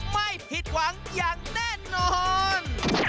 ไม่ผิดหวังอย่างแน่นอน